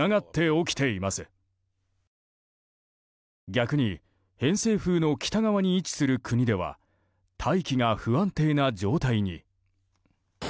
逆に偏西風の北側に位置する国では大気が不安定な状態に。